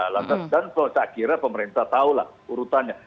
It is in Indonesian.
dan setelah terakhirnya pemerintah tahulah urutannya